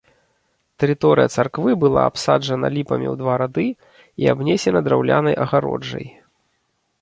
Тэрыторыя царквы была абсаджана ліпамі ў два рады і абнесена драўлянай агароджай.